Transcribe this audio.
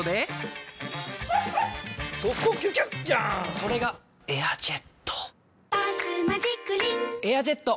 それが「エアジェット」「バスマジックリン」「エアジェット」！